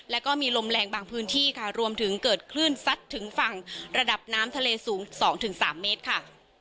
แล้วก็มีลมแรงบางพื้นที่ค่ะรวมถึงเกิดคลื่นซัดถึงฝั่งระดับน้ำทะเลสูง๒๓เมตรค่ะ